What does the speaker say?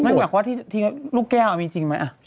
หมายถึงเหรอค่ะที่ลูกแก้วมีจริงไหม